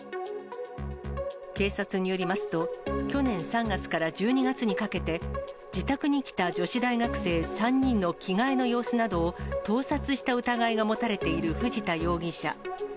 警察によりますと、去年３月から１２月にかけて、自宅に来た女子大学生３人の着替えの様子などを盗撮した疑いが持たれている藤田容疑者。